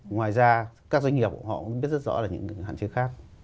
ngoài ra các doanh nghiệp họ cũng biết rất rõ là những hạn chế khác